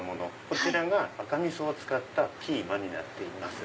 こちらが赤味噌を使ったキーマになっています。